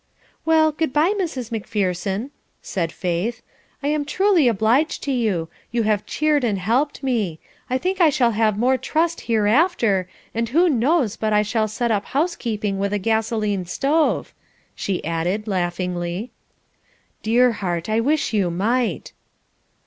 "Well, good bye, Mrs. Macpherson," said Faith. "I am truly obliged to you. You have cheered and helped me. I think I shall have more trust hereafter, and who knows hut I shall set up housekeeping with a gasoline stove," she added, laughingly. "Dear heart, I wish you might."